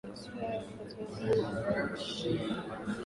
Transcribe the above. kupitia Kaskazini na kumwaga majiyake katika ziwa Victoria